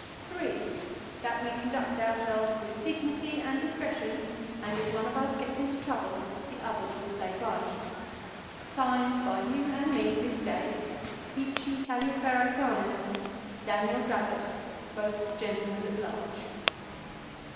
(Three) That we conduct ourselves with Dignity and Discretion, and if one of us gets into trouble the other will stay by him. Signed by you and me this day. Peachey Taliaferro Carnehan. Daniel Dravot. Both Gentlemen at Large.